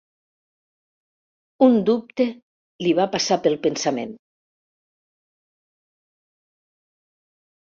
Un dubte li va passar pel pensament.